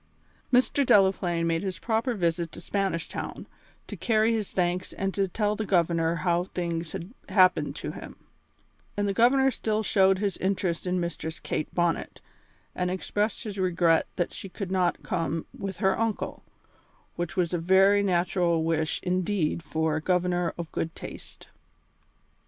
Mr. Delaplaine made his proper visit to Spanish Town, to carry his thanks and to tell the Governor how things had happened to him; and the Governor still showed his interest in Mistress Kate Bonnet, and expressed his regret that she had not come with her uncle, which was a very natural wish indeed for a governor of good taste.